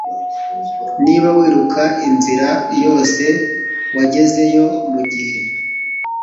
Niba wiruka inzira yose wagezeyo mugihe